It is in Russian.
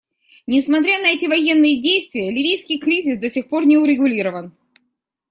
Несмотря на эти военные действия, ливийский кризис до сих пор не урегулирован.